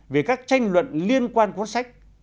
về các tranh luận liên quan cuốn sách